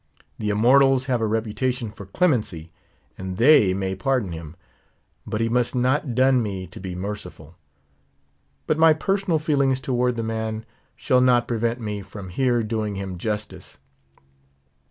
The Immortals have a reputation for clemency; and they may pardon him; but he must not dun me to be merciful. But my personal feelings toward the man shall not prevent me from here doing him justice.